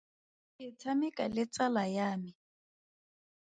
Ke tshameka le tsala ya me.